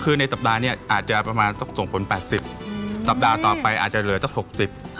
คือในสัปดาห์นี้อาจจะประมาณสองคนแปดสิบอืมสัปดาห์ต่อไปอาจจะเหลือสิบ